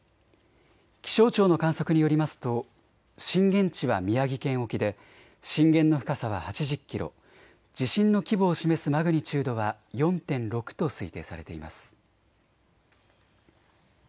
気象庁の観測によりますと震源地は宮城県沖で震源の深さは８０キロ、地震の規模を示すマグニチュードは４．６と推定されています。